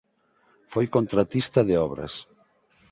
Foi contratista de obras.